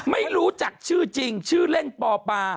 ไม่รู้จักชื่อจริงชื่อเล่นปอปา